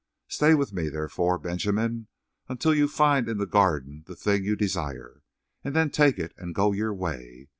Stay with me, therefore, Benjamin, until you find in the Garden the thing you desire, then take it and go your way.